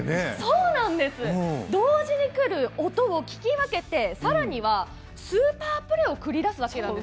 同時にくる音を聞き分けてさらにはスーパープレーを繰り出すわけなんです。